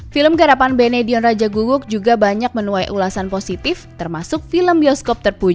film garapan benedion raja guguk juga banyak menuai ulasan positif termasuk film bioskop terpuji